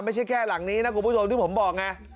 ไม่ใช่แค่หลังนี้นะคุณผู้ชมที่ผมบอกไง